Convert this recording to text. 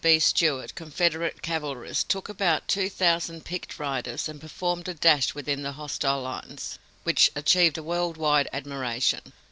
B. Stuart, Confederate cavalrist, took about two thousand picked riders and performed a dash within the hostile lines, which achieved a world wide admiration.